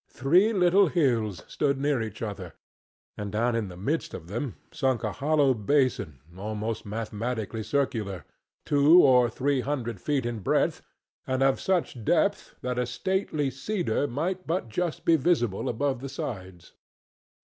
Three little hills stood near each other, and down in the midst of them sunk a hollow basin almost mathematically circular, two or three hundred feet in breadth and of such depth that a stately cedar might but just be visible above the sides.